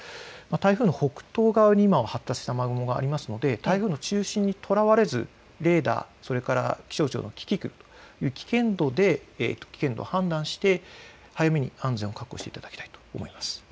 台風の北東側に発達した雨雲があるので台風の中心にとらわれず、レーダー、それから気象庁のキキクル、こちらで危険度を判断して早めに安全を確保してもらいたいと思います。